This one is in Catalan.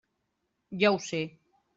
Jo ho sé.